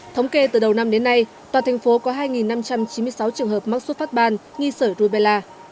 thống kê từ đầu năm đến nay toàn thành phố có hai năm trăm chín mươi sáu trường hợp mắc suất phát ban nghi sở rùi bè la